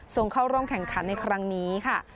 ส่งเข้าร่วมแข่งขันในครั้งนี้ค่ะ